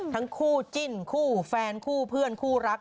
ทั้งคู่จิ้นคู่แฟนคู่เพื่อนคู่รัก